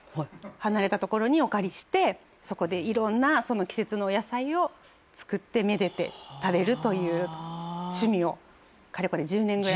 離れた所にお借りしてそこで色んな季節のお野菜を作ってめでて食べるという趣味をかれこれ１０年ぐらい。